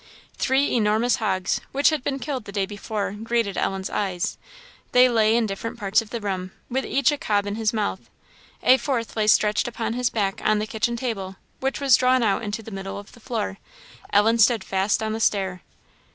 Three enormous hogs, which had been killed the day before, greeted Ellen's eyes. They lay in different parts of the room, with each a cob in his mouth. A fourth lay stretched upon his back on the kitchen table, which was drawn out into the middle of the floor. Ellen stood fast on the stair.